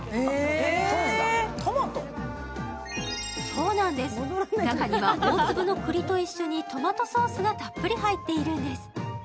そうなんです、中には大粒の栗と一緒にトマトソースがたっぷり入っているんです。